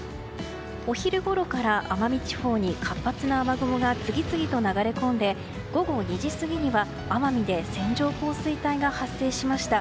お昼ごろから奄美地方に活発な雨雲が次々と流れ込んで午後２時過ぎには奄美で線状降水帯が発生しました。